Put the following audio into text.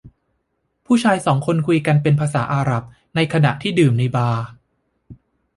ผู้ชายสองคนคุยกันเป็นภาษาอาหรับในขณะที่ดื่มในบาร์